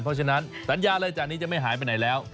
เพราะฉะนั้นสัญญาอะไรจากนี้จะไม่หายไปไหนแล้ว